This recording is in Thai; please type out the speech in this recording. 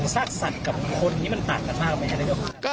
ซากสัตว์กับคนนี้มันต่างกันมากไหมครับนายก